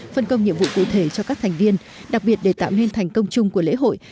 phân công nhiệm vụ cụ thể cho các thành viên đặc biệt để tạo nên thành công chung của lễ hội